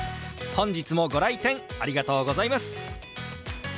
本日もご来店ありがとうございます。